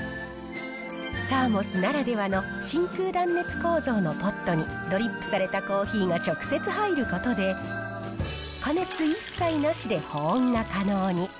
サーモスならではの真空断熱構造のポットにドリップされたコーヒーが直接入ることで、加熱一切なしで保温が可能に。